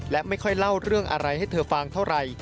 และไม่ค่อยเล่าเรื่องอะไรให้เธอฟังเท่าไหร่